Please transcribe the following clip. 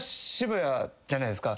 じゃないですか。